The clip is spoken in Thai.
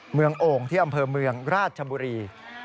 โอ่งที่อำเภอเมืองราชบุรี